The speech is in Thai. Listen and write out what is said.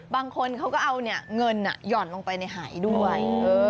บางคนเขาก็เอาเงินหย่อนลงไปในหายด้วย